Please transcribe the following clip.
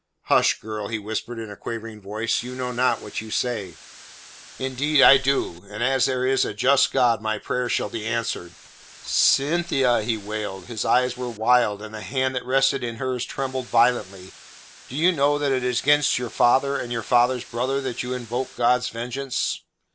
"Hush, girl," he whispered in a quavering voice. "You know not what you say." "Indeed I do; and as there is a just God my prayer shall be answered." "Cynthia," he wailed. His eyes were wild, and the hand that rested in hers trembled violently. "Do you know that it is against your father and your father's brother that you invoke God's vengeance?"